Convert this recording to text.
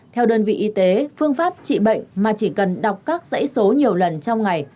theo đơn vị y tế phương pháp trị bệnh mà chỉ cần đọc các dãy số nhiều lần trong ngày